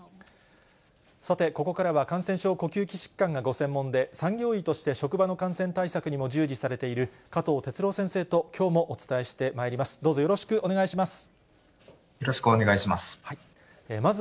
さて、ここからは感染症、呼吸器疾患がご専門で、産業医として、職場の感染対策にも従事されている、加藤哲朗先生ときょうもお伝えしてまいります。